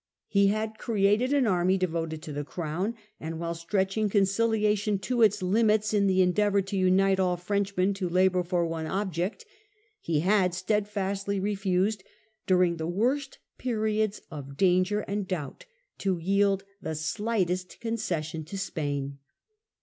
He had created an army devoted to the Crown ; and while stretching conciliation to its limits in the endeavour to unite all Frenchmen to labour for one object, he had steadfastly refused during the worst periods of danger and doubt to yield the slightest concession to Spain.